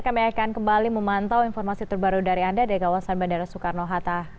kami akan kembali memantau informasi terbaru dari anda dari kawasan bandara soekarno hatta